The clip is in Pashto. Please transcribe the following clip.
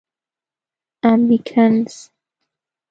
امريکنز.